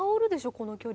この距離。